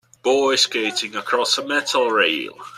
Boy skating across a metal rail.